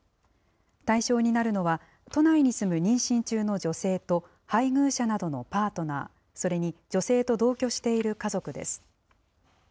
対象になるのは、都内に住む妊娠中の女性と配偶者などのパートナー、それに女性と同居している家族です。